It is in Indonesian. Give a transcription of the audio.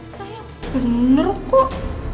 saya bener kok